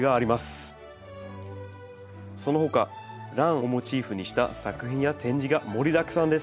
そのほかランをモチーフにした作品や展示が盛りだくさんです。